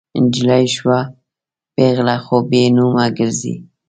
نجلۍ شوه پیغله خو بې نومه ګرزي